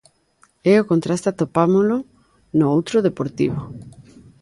E o contraste atopámolo no outro Deportivo.